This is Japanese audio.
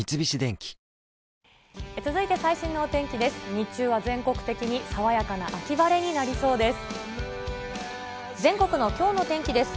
日中は全国的に爽やかな秋晴れになりそうです。